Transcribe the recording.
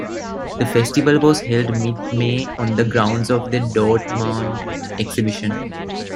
The Festival was held mid-May on the grounds of the Dortmund exhibition.